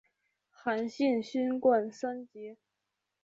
韩信勋冠三杰。